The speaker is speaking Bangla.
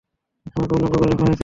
আমাকে উলঙ্গ করে রাখা হয়েছিল।